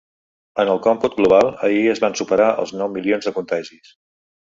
En el còmput global, ahir es van superar els nou milions de contagis.